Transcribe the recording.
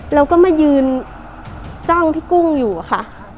แล้วก็มายืนจ้างพี่กุ้งอยู่อะค่ะ